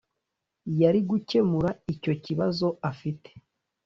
Yari gukemura icyo kibazo afite